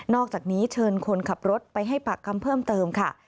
อกจากนี้เชิญคนขับรถไปให้ปากคำเพิ่มเติมค่ะ